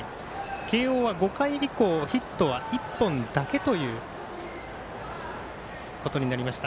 慶応は５回以降、ヒットは１本だけということになりました。